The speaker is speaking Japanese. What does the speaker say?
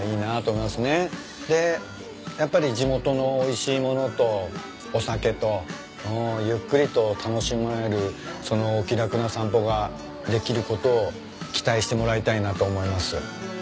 でやっぱり地元のおいしい物とお酒とゆっくりと楽しめるそのお気楽な散歩ができることを期待してもらいたいなと思います。